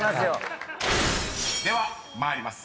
［では参ります。